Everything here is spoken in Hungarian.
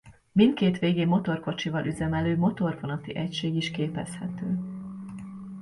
Mindkét végén motorkocsival üzemelő motorvonati egység is képezhető.